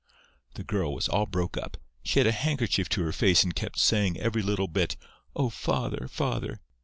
"The girl was all broke up. She had a handkerchief to her face, and kept saying every little bit, 'Oh, father, father!